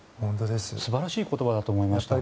素晴らしい言葉だと思いました。